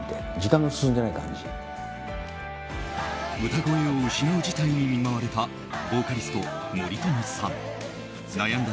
歌声を失う事態に見舞われたボーカリスト森友さん。